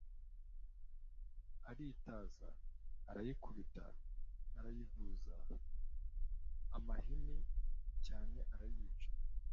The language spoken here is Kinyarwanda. Aritaza, arayikubita, ayivuza amahiri cyane, arayica.